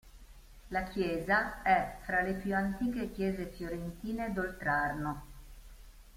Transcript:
La chiesa è fra le più antiche chiese fiorentine d'Oltrarno.